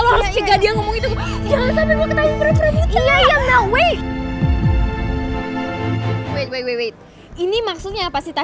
lo harus cegah dia ngomong itu